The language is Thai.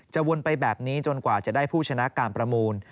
วนไปแบบนี้จนกว่าจะได้ผู้ชนะการประมูล